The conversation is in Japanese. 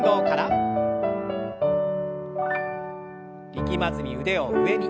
力まずに腕を上に。